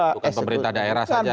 bukan pemerintah daerah saja